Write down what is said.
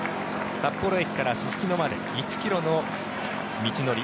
札幌駅からすすきのまで１ｋｍの道のり。